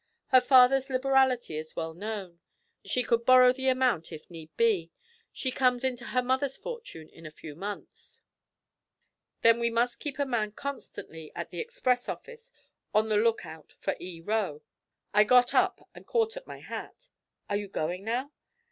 Her father's liberality is well known. She could borrow the amount if need be; she comes into her mother's fortune in a few months.' 'Then we must keep a man constantly at the express office on the look out for E. Roe.' I got up and caught at my hat. 'Are you going now?'